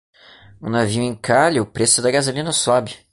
Um navio encalha, o preço da gasolina sobe